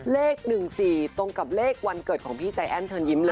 เลข๑๔ตรงกับเลขวันเกิดของพี่ใจแอ้นเชิญยิ้มเลย